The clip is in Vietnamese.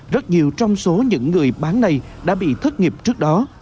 rất nhiều trong số những người bán này đã bị thất nghiệp trước đó